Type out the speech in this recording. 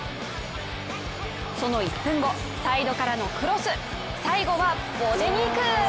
その１分後、サイドからのクロス、最後はボジェニーク。